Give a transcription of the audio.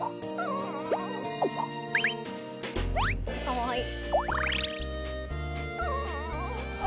かわいい。